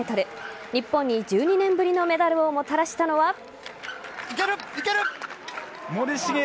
日本に１２年ぶりのメダルをもたらしたのは。